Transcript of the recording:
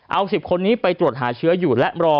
เอา๑๐คนนี้ไปตรวจหาเชื้ออยู่และรอ